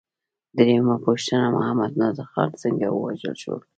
درېمه پوښتنه: محمد نادر خان څنګه ووژل شو؟